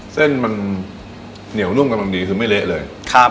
เส้นมันเหนียวนุ่มกำลังดีคือไม่เละเลยครับ